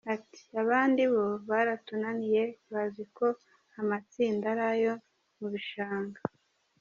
Ati « Abandi bo baratunaniye bazi ko amtsinda ari ayo mu bishanga ».